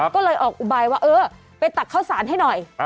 ก็เลยออกอุบายว่าเออไปตักข้าวสารให้หน่อย